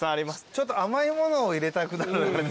ちょっと甘い物を入れたくなる。